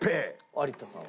有田さん。